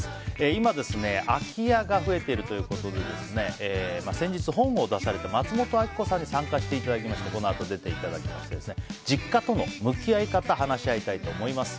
今、空き家が増えているということで先日、本を出された松本明子さんに参加していただきましてこのあと出ていただきまして実家との向き合い方話し合いたいと思います。